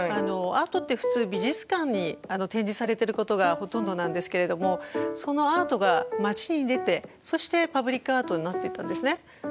アートって普通美術館に展示されてることがほとんどなんですけれどもそのアートが街に出てそしてパブリックアートになっていったんですね。